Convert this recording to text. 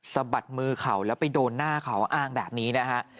สะบัดมือเขาแล้วไปโดนหน้าเขาอ้างแบบนี้นะฮะ